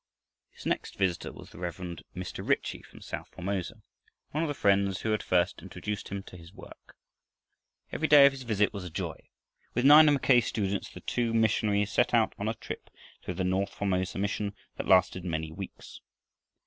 His next visitor was the Rev. Mr. Ritchie from south Formosa, one of the friends who had first introduced him to his work. Every day of his visit was a joy. With nine of Mackay's students, the two missionaries set out on a trip through the north Formosa mission that lasted many weeks.